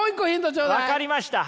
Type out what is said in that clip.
分かりました。